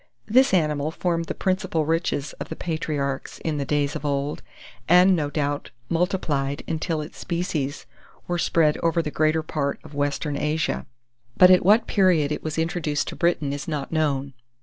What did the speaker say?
This animal formed the principal riches of the patriarchs, in the days of old, and, no doubt, multiplied, until its species were spread over the greater part of Western Asia; but at what period it was introduced to Britain is not known.